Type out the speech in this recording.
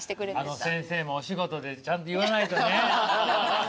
あの先生もお仕事でちゃんと言わないとね。って言いました？